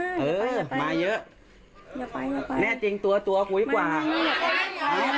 เออมาเยอะอย่าไปอย่าไปแน่จริงตัวตัวกูดีกว่าไม่มีอย่าไป